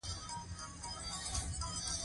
محمد اياز اياز د جنوري پۀ پينځمه نيټه